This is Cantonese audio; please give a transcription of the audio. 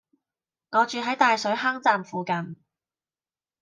我住喺大水坑站附近